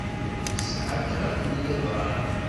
Nesɛa kraḍ n yiḍan.